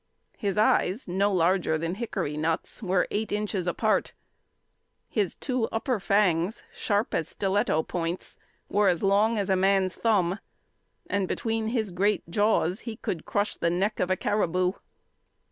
His eyes, no larger than hickory nuts, were eight inches apart. His two upper fangs, sharp as stiletto points, were as long as a man's thumb, and between his great jaws he could crush the neck of a caribou.